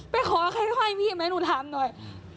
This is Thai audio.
ไปขอข่าวไข้ให้พี่ไหมหนูถามหน่อย